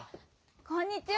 こんにちは。